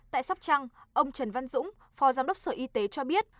tại sóc trăng ông trần văn dũng phó giám đốc sở y tế cho biết